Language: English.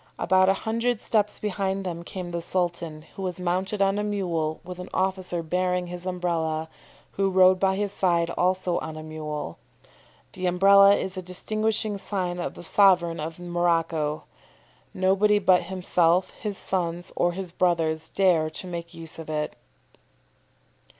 About a hundred steps behind them came the Sultan, who was mounted on a mule with an officer bearing his Umbrella, who rode by his side also on a mule. The Umbrella is a distinguishing sign of the sovereign of Morocco. Nobody but himself, his sons, or his brothers dare to make use of it."